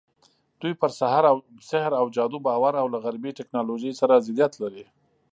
دوی پر سحر او جادو باور او له غربي ټکنالوژۍ سره ضدیت لري.